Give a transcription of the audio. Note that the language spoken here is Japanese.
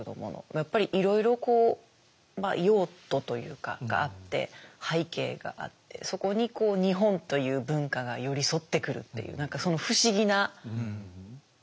やっぱりいろいろ用途というかがあって背景があってそこに日本という文化が寄り添ってくるっていう何かその不思議な物語がより